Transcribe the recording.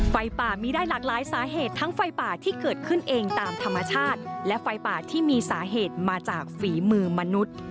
ไฟป่ามีได้หลากหลายสาเหตุทั้งไฟป่าที่เกิดขึ้นเองตามธรรมชาติและไฟป่าที่มีสาเหตุมาจากฝีมือมนุษย์